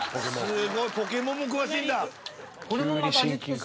すごい「ポケモン」も詳しいんだ。